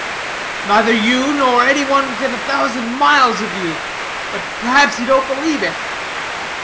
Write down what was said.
"Neither you nor any one within a thousand miles of you. But perhaps you don't believe it."